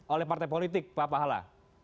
oleh partai politik pak pahala